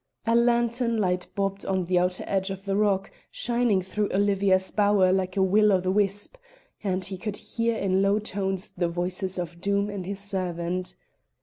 A lantern light bobbed on the outer edge of the rock, shining through Olivia's bower like a will o' the wisp, and he could hear in low tones the voices of Doom and his servant.